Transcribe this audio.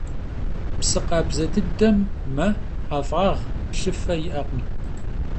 Psı khabze dıdem me, 'ef'ağ, plhıfe yi'ekhım.